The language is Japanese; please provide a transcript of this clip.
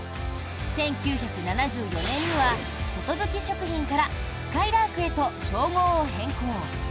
１９７４年にはことぶき食品からすかいらーくへと商号を変更。